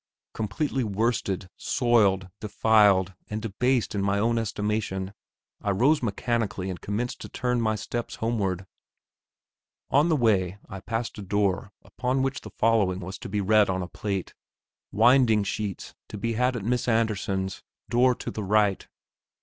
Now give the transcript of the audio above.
Completely worsted, soiled, defiled, and debased in my own estimation, I rose mechanically and commenced to turn my steps homewards. On the way I passed a door, upon which the following was to be read on a plate "Winding sheets to be had at Miss Andersen's, door to the right."